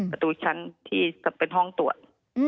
ประตูชั้นที่เป็นห้องตรวจ